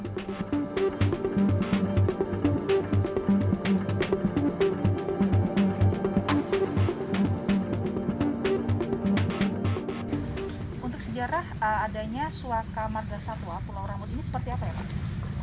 sebelum ditetapkan sebagai suaka margasatwa pulau ini dianggap sebagai kampung terbaik untuk penyelenggaraan sejarah